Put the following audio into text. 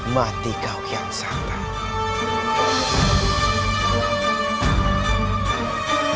mati kau kian santang